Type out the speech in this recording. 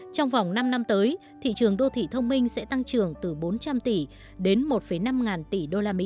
trong vòng năm năm tới thị trường đô thị thông minh sẽ tăng trưởng từ bốn trăm linh tỷ đến một năm ngàn tỷ usd